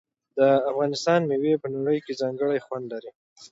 د افغانستان میوې په نړۍ کې ځانګړی خوند لري.